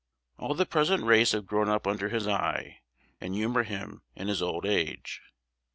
All the present race have grown up under his eye, and humour him in his old age.